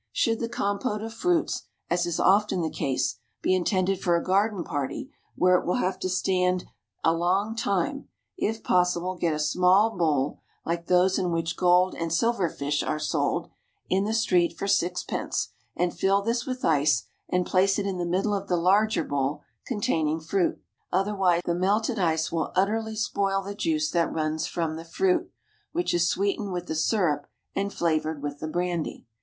Should the compote of fruits, as is often the case, be intended for a garden party, where it will have to stand a long time, if possible get a small bowl, like those in which gold and silver fish are sold in the street for sixpence, and fill this with ice and place it in the middle of the larger bowl containing fruit, otherwise the melted ice will utterly spoil the juice that runs from the fruit, which is sweetened with the syrup and flavoured with the brandy.